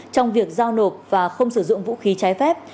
trong việc giao nộp và không sử dụng vũ khí trái phép